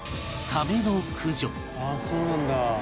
「ああそうなんだ」